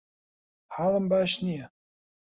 حاڵم باش نییە.